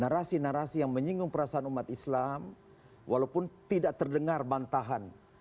narasi narasi yang menyinggung perasaan umat islam walaupun tidak terdengar bantahan